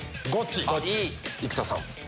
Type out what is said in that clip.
生田さん。